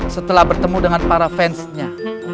setelah bertemu dengan para fansnya